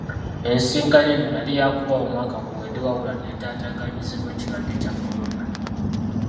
Ensisinkano eno yali yaakubaawo mwaka guwedde wabula n'etaataganyizibwa ekirwadde kya kolona.